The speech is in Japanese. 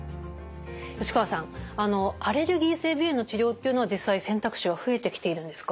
吉川さんアレルギー性鼻炎の治療っていうのは実際選択肢は増えてきているんですか？